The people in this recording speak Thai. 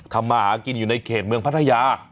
มาหากินอยู่ในเขตเมืองพัทยา